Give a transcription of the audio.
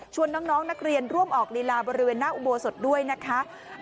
น้องนักเรียนร่วมออกลีลาบริเวณหน้าอุโบสถด้วยนะคะ